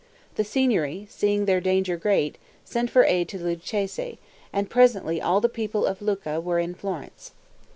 The Signory, seeing their danger great, sent for aid to the Lucchese, and presently all the people of Lucca were in Florence.